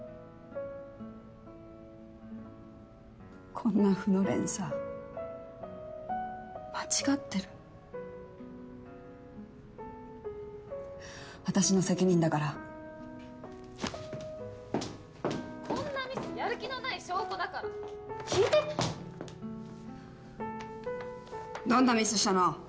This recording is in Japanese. こんな負の連鎖間違ってる私の責任だからこんなミスやる気のない証拠だから聞いてどんなミスしたの？